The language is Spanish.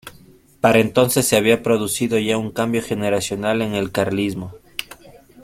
Para entonces se había producido ya un cambio generacional en el carlismo.